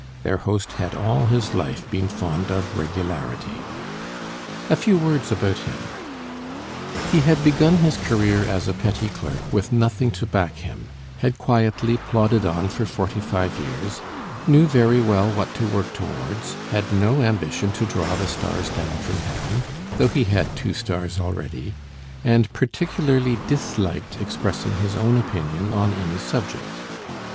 Their host had all his life been fond of regularity. A few words about him. He had begun his career as a petty clerk with nothing to back him, had quietly plodded on for forty five years, knew very well what to work towards, had no ambition to draw the stars down from heaven, though he had two stars already, and particularly disliked expressing his own opinion on any subject.